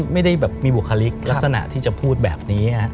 ไม่ได้แบบมีบุคลิกลักษณะที่จะพูดแบบนี้